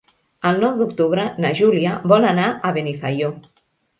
El nou d'octubre na Júlia vol anar a Benifaió.